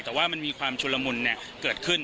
แต่ว่ามันมีความชุลมุนเกิดขึ้น